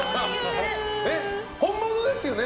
本物ですよね